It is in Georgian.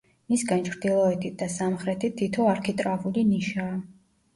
მისგან ჩრდილოეთით და სამხრეთით თითო არქიტრავული ნიშაა.